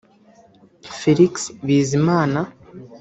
Felix Bizimana